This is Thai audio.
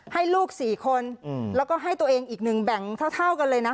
ให้ลูก๔คนแล้วก็ให้ตัวเองอีกหนึ่งแบ่งเท่ากันเลยนะ